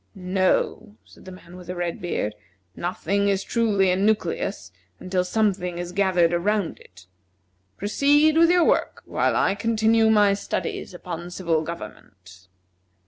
"No," said the man with the red beard, "nothing is truly a nucleus until something is gathered around it. Proceed with your work, while I continue my studies upon civil government."